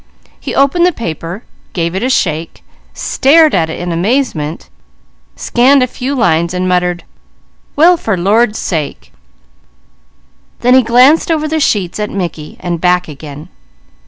He opened the paper, gave it a shake, stared at it in amazement, scanned a few lines and muttered: "Well for the Lord's sake!" Then he glanced over the sheets at Mickey and back again.